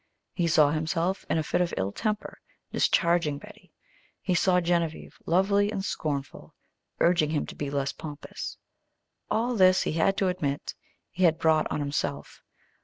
He saw himself, in a fit of ill temper, discharging Betty. He saw Genevieve, lovely and scornful, urging him to be less pompous. All this, he had to admit, he had brought on himself.